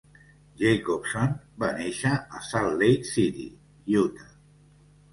Jacobson va néixer a Salt Lake City, Utah.